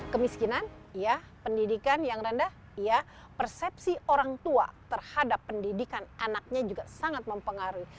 kemiskinan ya pendidikan yang rendah persepsi orang tua terhadap pendidikan anaknya juga sangat mempengaruhi